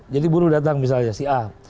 jadi buruh datang misalnya si a